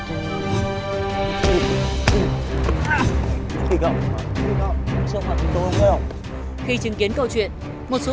chị phải nói chuyện vừa